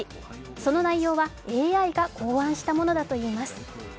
その内容は、ＡＩが考案したものだといいます。